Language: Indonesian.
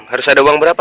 orang lain juga sama